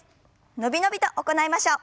伸び伸びと行いましょう。